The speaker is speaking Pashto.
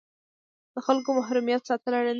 د خلکو محرمیت ساتل اړین دي؟